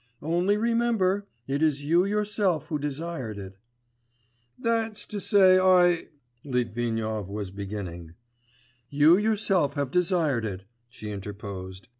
Only remember, it is you yourself who desired it.' 'That's to say, I .' Litvinov was beginning. 'You yourself have desired it,' she interposed.